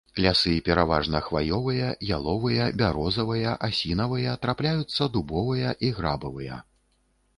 Лясы пераважна хваёвыя, яловыя, бярозавыя, асінавыя, трапляюцца дубовыя і грабавыя.